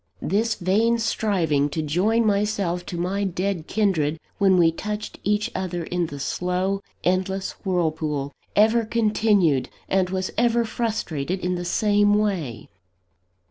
This vain striving to join myself to my dead kindred when we touched each other in the slow, endless whirlpool, ever continued and was ever frustrated in the same way.